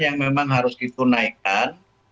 yang memang harus kita naikkan